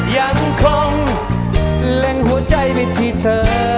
ยังคงเล็งหัวใจไปที่เธอ